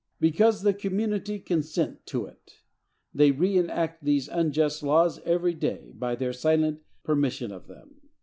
Because the community CONSENT TO IT. They reënact these unjust laws every day, by their silent permission of them.